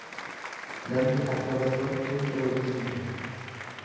Namni arraba tolu hunda wajjin bula.